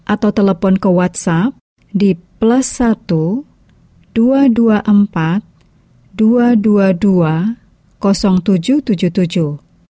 atau telepon ke whatsapp di plus satu dua dua empat dua dua dua kosong tujuh tujuh tujuh